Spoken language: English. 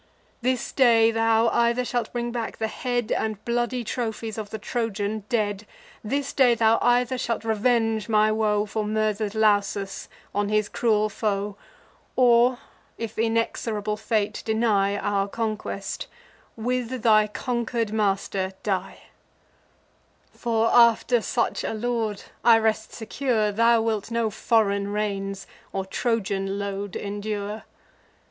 This day thou either shalt bring back the head And bloody trophies of the Trojan dead; This day thou either shalt revenge my woe, For murder'd Lausus, on his cruel foe; Or, if inexorable fate deny Our conquest, with thy conquer'd master die: For, after such a lord, I rest secure, Thou wilt no foreign reins, or Trojan load endure."